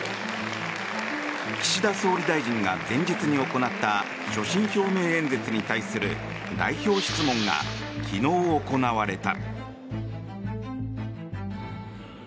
岸田総理大臣が前日に行った所信表明演説に対する代表質問が昨日行われた。